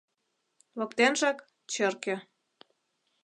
Воктенжак — черке.